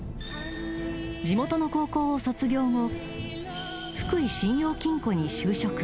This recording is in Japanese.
［地元の高校を卒業後福井信用金庫に就職］